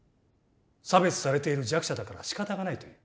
差別されている弱者だからしかたがないと言う。